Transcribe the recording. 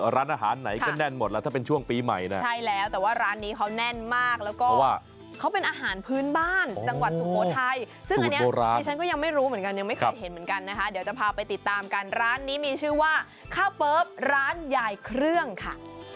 ร้านอาหารไหนก็แน่นหมดแล้วถ้าเป็นช่วงปีใหม่นะใช่แล้วแต่ว่าร้านนี้เขาแน่นมากแล้วก็เขาเป็นอาหารพื้นบ้านจังหวัดสุโขทัยซึ่งอันนี้ดิฉันก็ยังไม่รู้เหมือนกันยังไม่เคยเห็นเหมือนกันนะคะเดี๋ยวจะพาไปติดตามกันร้านนี้มีชื่อว่าข้าวเปิ๊บร้านยายเครื่องค่ะ